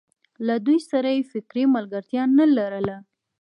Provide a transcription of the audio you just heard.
له دوی سره یې فکري ملګرتیا نه لرله.